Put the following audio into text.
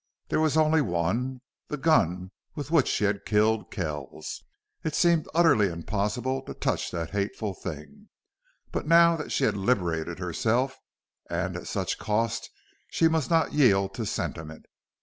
There was only one, the gun with which she had killed Kells. It seemed utterly impossible to touch that hateful thing. But now that she had liberated herself, and at such cost, she must not yield to sentiment.